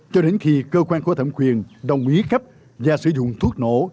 cho đến khi cơ quan có thẩm quyền đồng ý cấp và sử dụng thuốc nổ